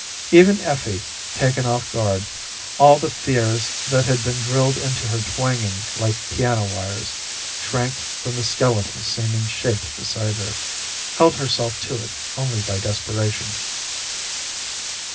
Even Effie taken off guard, all the fears that had been drilled into her twanging like piano wires shrank from the skeletal seeming shape beside her, held herself to it only by desperation.